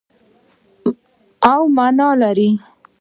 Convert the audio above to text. او مانا لري.